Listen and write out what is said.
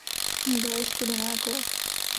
Byla již studená jako led...